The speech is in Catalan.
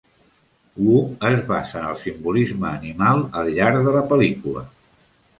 Woo es basa en el simbolisme animal al llarg de la pel·lícula.